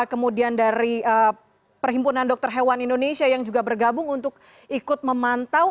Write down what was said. kemudian dari perhimpunan dokter hewan indonesia yang juga bergabung untuk ikut memantau